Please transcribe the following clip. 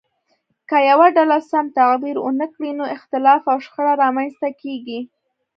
که یوه ډله سم تعبیر ونه کړي نو اختلاف او شخړه رامنځته کیږي.